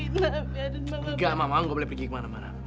enggak mama enggak boleh pergi kemana mana